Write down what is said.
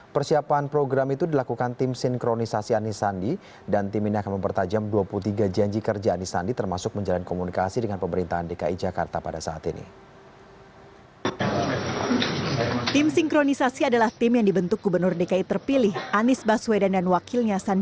persiapan program itu dilakukan tim sinkronisasi anisandi dan tim ini akan mempertajam dua puluh tiga janji kerja anies sandi termasuk menjalin komunikasi dengan pemerintahan dki jakarta pada saat ini